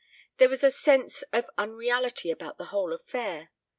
There was a sense of unreality about the whole affair.